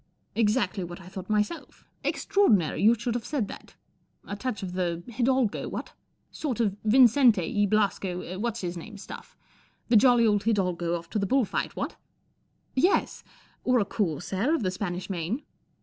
" Exactly what I thought myself. Extra¬ ordinary you should have said that. 4 touch of the hidalgo, what ? Sort of Vincente y Blasco What's his name stuff. The jolly old hidalgo off to the bull fight, what ?"* Yes. Or a corsair of the Spanish Main."